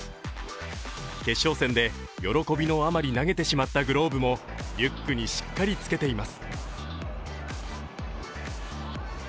決勝戦で喜びのあまり投げてしまったグローブもリュックにしっかりつけています。